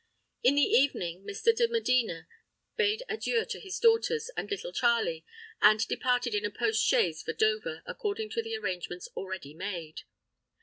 In the evening Mr. de Medina bade adieu to his daughters and little Charley, and departed in a post chaise for Dover, according to the arrangements already made.